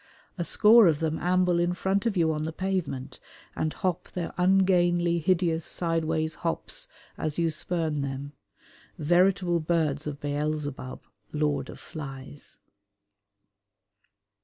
A score of them amble in front of you on the pavement, and hop their ungainly, hideous sideways hops as you spurn them, veritable birds of Beelzebub, Lord of Flies.